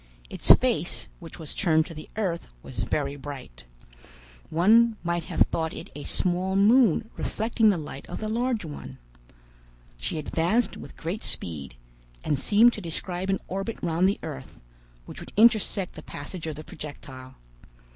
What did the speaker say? Its face, which was turned to the earth, was very bright. One might have thought it a small moon reflecting the light of the large one. She advanced with great speed, and seemed to describe an orbit round the earth, which would intersect the passage of the projectile.